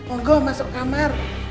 onggo masuk kamar